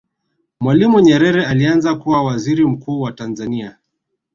mwalimu nyerere alianza kuwa Waziri mkuu wa tanzania